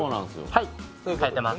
はい、変えてます。